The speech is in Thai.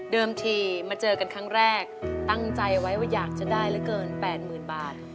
ทีมาเจอกันครั้งแรกตั้งใจไว้ว่าอยากจะได้เหลือเกิน๘๐๐๐บาท